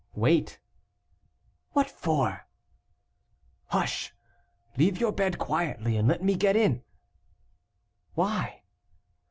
"Wait." "What for?" "Hush! leave your bed quietly, and let me get in." "Why?"